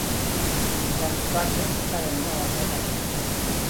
Janet Roger üç ay önce hayatını kaybetti.